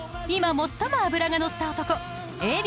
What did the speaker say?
［今最も脂が乗った男